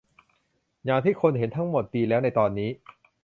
อย่างที่คุณเห็น ทั้งหมดดีแล้วในตอนนี้